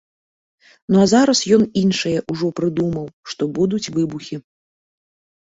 Ну а зараз ён іншае ўжо прыдумаў, што будуць выбухі.